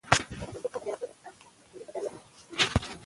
ګټه او تاوان د سوداګرۍ برخه ده.